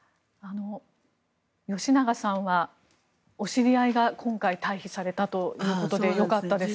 吉永さんはお知り合いが今回退避されたということでよかったですね。